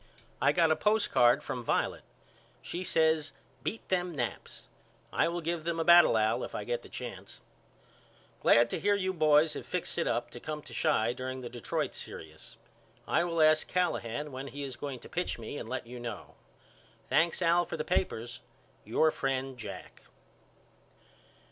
I got a postcard from Violet. She says Beat them Naps. I will give them a battle Al if I get a chance. Glad to hear you boys have fixed it up to come to Chi during the Detroit serious. I will ask Callahan when he is going to pitch me and let you know. Thanks Al for the papers. Your friend, JACK.